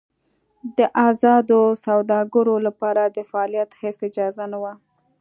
د ازادو سوداګرو لپاره د فعالیت هېڅ اجازه نه وه.